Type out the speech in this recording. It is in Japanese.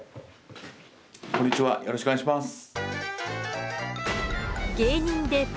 こんにちはよろしくお願いします。